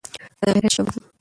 دا د غیرت ژبه ده.